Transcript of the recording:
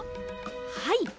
はい。